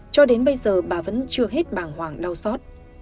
cho đến bây giờ bà vẫn chưa hết bảng hoảng đau xót